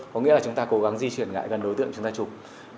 có nghĩa là chúng ta cố gắng di chuyển lại gần đối tượng chúng ta chụp